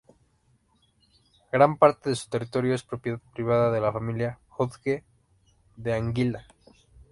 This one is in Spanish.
Gran parte de su territorio es propiedad privada de la familia Hodge de Anguila.